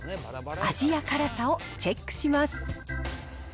味や辛さをチェックします。